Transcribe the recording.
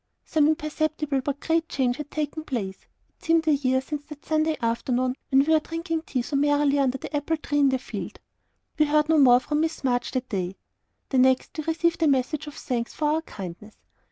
Some imperceptible but great change had taken place. It seemed a year since that Saturday afternoon, when we were drinking tea so merrily under the apple tree in the field. We heard no more from Miss March that day. The next, we received a message of thanks for our "kindness."